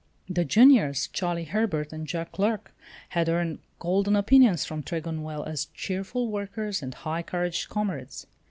The juniors, Charlie Herbert and Jack Clarke, had earned golden opinions from Tregonwell as cheerful workers and high couraged comrades.